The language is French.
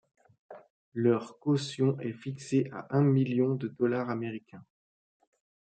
Leur caution est fixée à un million de dollars américains.